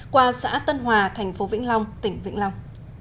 qua xã tân hòa thành phố vĩnh long tỉnh vĩnh long